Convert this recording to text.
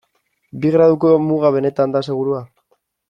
Bi graduko muga benetan da segurua?